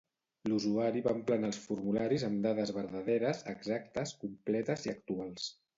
L'usuari va emplenar els formularis amb dades verdaderes, exactes, completes i actuals.